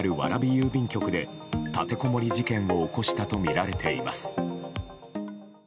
郵便局で立てこもり事件を起こしたとみられています。